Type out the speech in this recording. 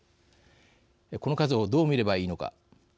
この数を、どう見ればいいのか。